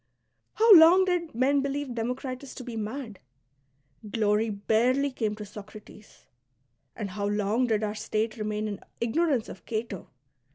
How long did men believe Democritus ^' to be mad I Glory barely came to Soci*ates. And how long did our state remain in ignorance of Cato